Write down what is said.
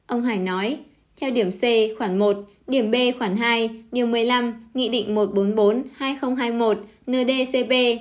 ông hải nói theo điểm c khoảng một điểm b khoảng hai điều một mươi năm nghị định một trăm bốn mươi bốn hai nghìn hai mươi một ndcp